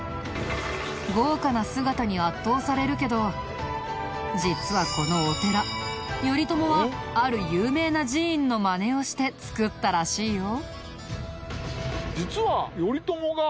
豪華な姿に圧倒されるけど実はこのお寺頼朝はある有名な寺院のまねをして造ったらしいよ。